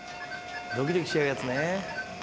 ドキドキしちゃうやつね。